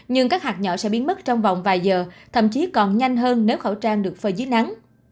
nhưng các hạt nhỏ sẽ biến mất trong vòng vài giờ thậm chí còn nhanh hơn nếu khẩu trang được phơi dưới nắng